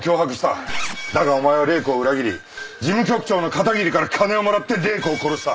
だがお前は礼子を裏切り事務局長の片桐から金をもらって礼子を殺した！